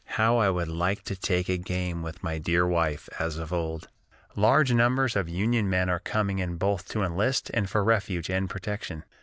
How I would like to take a game with my dear wife, as of old. "Large numbers of Union men are coming in both to enlist and for refuge and protection.